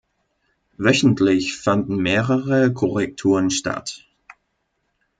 Wöchentlich fanden mehrere Korrekturen statt.